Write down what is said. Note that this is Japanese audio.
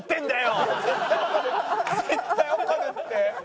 絶対怒るって。